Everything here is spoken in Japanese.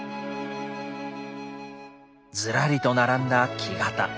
ずらりと並んだ木型。